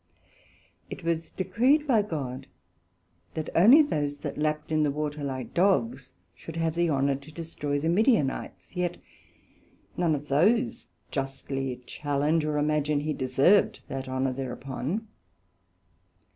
It was decreed by God, that only those that lapt in the water like Dogs, should have the honour to destroy the Midianites; yet could none of those justly challenge, or imagine he deserved that honour thereupon.